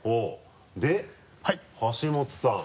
で橋本さん。